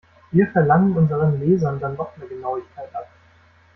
Wir verlangen unseren Lesern dann noch mehr Genauigkeit ab.